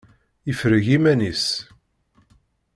Ifreg iman-is.